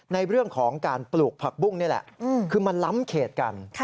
ในเรื่องของการปลูกผักบุ้งนี่แหละคือมันล้ำเขตกัน